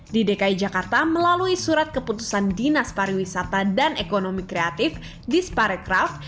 di dki jakarta melalui surat keputusan dinas pariwisata dan ekonomi kreatif disparekraf